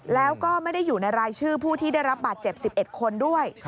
แล้วก็ไม่ได้อยู่ในรายชื่อผู้ที่ได้รับบาดเจ็บ๑๑คนด้วย